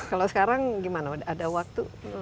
kalau sekarang gimana ada waktu